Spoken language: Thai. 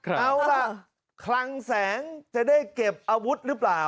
เอาล่ะคลังแสงจะได้เก็บอาวุธหรือเปล่า